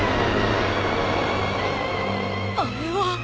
あれは！？